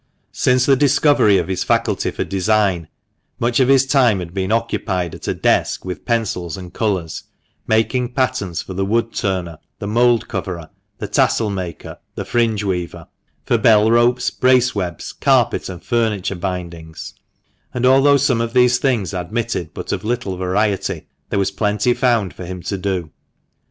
Since the discovery of his faculty for design, much of his time had been occupied at a desk with pencils and colours, making patterns for the wood turner, the mould coverer, the tassel maker, the fringe weaver ; for bell ropes, brace webs, carpet and furniture bindings ; and although some of these things admitted but of little variety, there was plenty found for him to do.